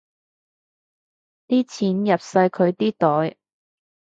啲錢入晒佢哋袋